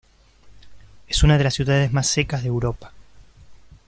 Es una de las ciudades más secas de Europa.